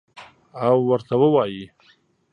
او ورته ووایي: